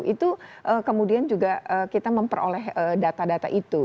itu kemudian juga kita memperoleh data data itu